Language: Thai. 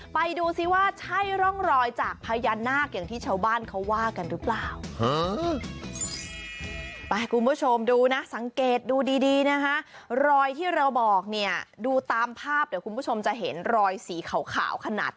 ไปดูซิว่าใช่ร่องรอยจากพญานาคอย่างที่ชาวบ้านเขาว่ากันหรือเปล่า